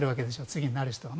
次になる人は。